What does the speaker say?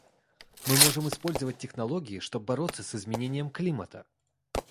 Мы можем использовать технологии, чтобы бороться с изменением климата.